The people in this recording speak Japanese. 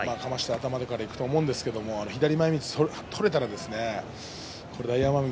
頭からいくと思うんですけども左前みつを取れたら大奄美。